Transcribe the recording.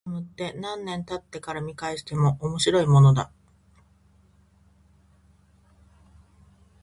卒業アルバムって、何年経ってから見返しても面白いものだ。